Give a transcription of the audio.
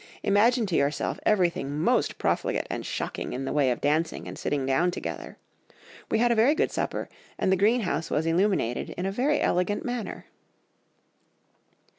Imagine to yourself everything most profligate and shocking in the way of dancing and sitting down together ... we had a very good supper, and the greenhouse was illuminated in a very elegant manner."